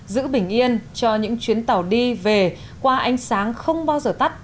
giữ bình yên cho những chuyến tàu đi về qua ánh sáng không bao giờ tắt